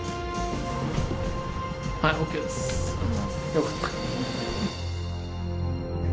よかった。